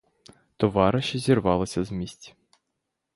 Товариші зірвалися з місць.